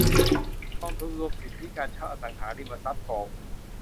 กองทุนรวมสิทธิการเช่าอสังหาริมทรัพย์โกลด์